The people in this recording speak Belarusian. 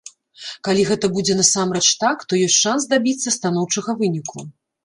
Калі гэта будзе насамрэч так, то ёсць шанс дабіцца станоўчага выніку.